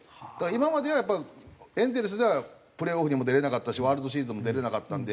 今まではやっぱエンゼルスではプレーオフにも出れなかったしワールドシリーズも出れなかったんで。